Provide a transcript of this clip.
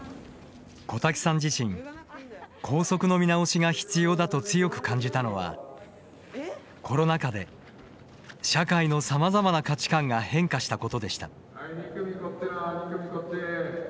小瀧さん自身校則の見直しが必要だと強く感じたのはコロナ禍で社会のさまざまな価値観が変化したことでした。